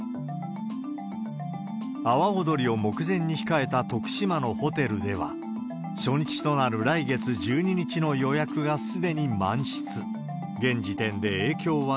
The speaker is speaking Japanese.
阿波踊りを目前に控えた徳島のホテルでは、初日となる来月１２日の予約がすでに満室。